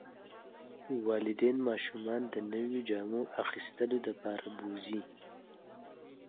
والدین ماشومان د نویو جامو اخیستلو لپاره بوځي.